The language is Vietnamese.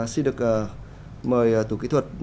xin được mời tủ kỹ thuật